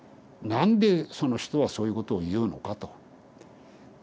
何でその人はそういうことを言うのかと。